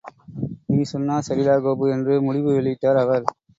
நீ சொன்னாச் சரிடா கோபு! என்று முடிவு வெளியிட்டார் அவர்.